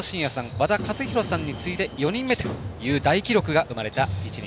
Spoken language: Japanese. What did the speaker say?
和田一浩さんに次いで４人目という大記録が出ました。